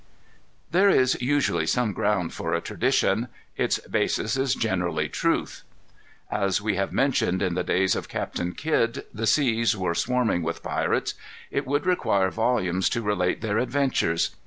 There is usually some ground for a tradition. Its basis is generally truth. As we have mentioned, in the days of Captain Kidd the seas were swarming with pirates. It would require volumes to relate their adventures.